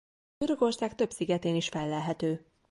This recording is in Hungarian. Görögország több szigetén is fellelhető.